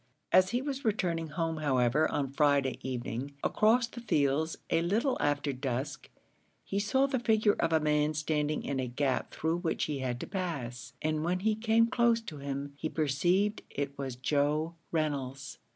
As he was returning home, however, on Friday evening, across the fields, a little after dusk, he saw the figure of a man standing in a gap through which he had to pass, and when he came close to him, he perceived it was Joe Reynolds.